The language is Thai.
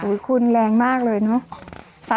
อุ้ยคุณแรงมากเลยนะ